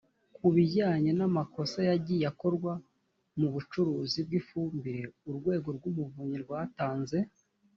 ku bijyanye n amakosa yagiye akorwa mu bucuruzi bw ifumbire urwego rw umuvunyi rwatanze